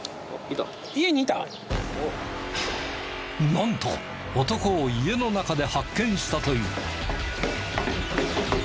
なんと男を家の中で発見したという。